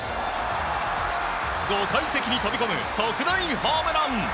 ５階席に飛び込む特大ホームラン！